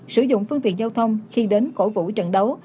sử dụng phương tiện giao thông khi đến cổ vũ trận đấu